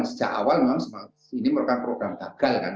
sejak awal memang ini merupakan program gagal kan